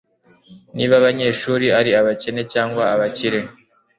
Niba abanyeshuri ari abakene cyangwa abakire